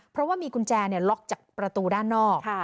เพราะว่ามีกุญแจล็อกจากประตูด้านนอก